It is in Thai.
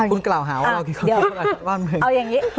คุณกล่าวหาว่าเราคิดความคิดกับประเทศบ้านเมือง